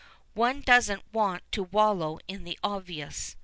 One doesn't want to wallow in the obvious.